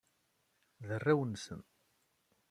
D arraw-nsen.